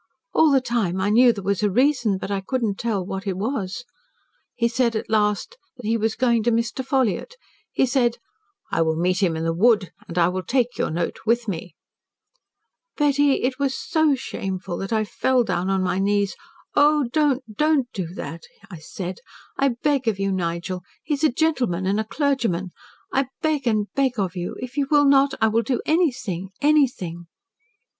All the time, I knew there was a reason, but I could not tell then what it was. He said at last, that he was going to Mr. Ffolliott. He said, 'I will meet him in the wood and I will take your note with me.' "Betty, it was so shameful that I fell down on my knees. 'Oh, don't don't do that,' I said. 'I beg of you, Nigel. He is a gentleman and a clergyman. I beg and beg of you. If you will not, I will do anything anything.'